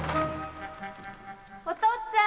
お父っつぁん！